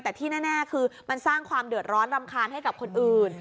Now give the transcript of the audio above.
แต่ที่แน่คือมันสร้างความเดือดร้อนรำคาญให้กับคนอื่น